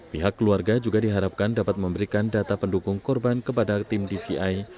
pihak keluarga juga diharapkan dapat memberikan data pendukung korban kepada tim dvi